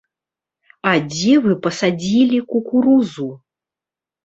А дзе вы пасадзілі кукурузу?